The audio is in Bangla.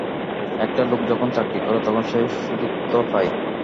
একটা লোক যখন চাকরি করে, তখন সে শূদ্রত্ব পায়।